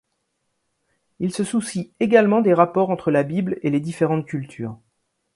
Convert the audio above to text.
Il se soucie également des rapports entre la Bible et les différentes cultures.